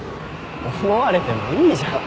思われてもいいじゃん。